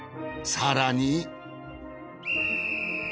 更に。